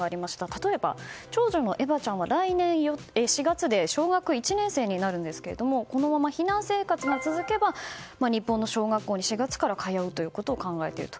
例えば長女のエヴァちゃんは来年４月で小学１年生になるんですけれどもこのまま避難生活が続けば日本の小学校に４月から通うことを考えていると。